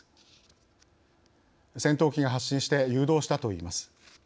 戦闘機が発進して誘導したといいます。